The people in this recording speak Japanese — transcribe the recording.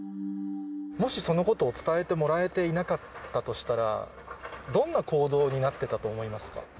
もしそのことを伝えてもらえていなかったとしたら、どんな行動になってたと思いますか？